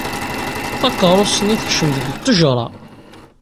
Takeṛṛust-nni tekcem deg ttejra.